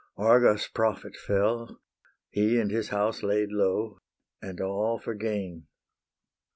Argos' prophet fell, He and his house laid low, And all for gain.